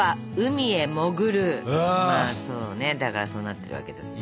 まあそうねだからそうなってるわけですよね。